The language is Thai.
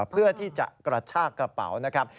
เพื่อที่จะกระชากกระเป๋านะครับ